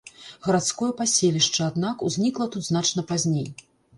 Гарадское паселішча, аднак, узнікла тут значна пазней.